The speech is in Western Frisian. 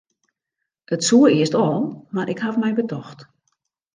It soe earst al, mar ik haw my betocht.